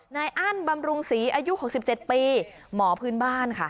อั้นบำรุงศรีอายุ๖๗ปีหมอพื้นบ้านค่ะ